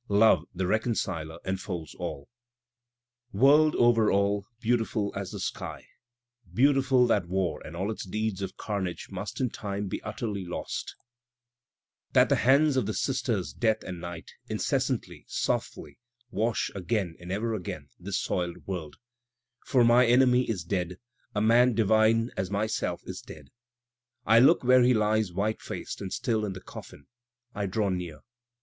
Love, the reconciler, enfolds all: Word over all, beautiful as the sky. Beautiful that war and all its deeds of carnage must in time be utterly lost. Digitized by Google 222 THE SPIRIT OP AMERICAN LITERATURE That the hands of the sisters Death and Night incessantly softly wash again and ever again, this soii'd world; Por my enemy is dead, a man divine as myself is dead, I look where he lies white faced and still in the coffin — I draw near.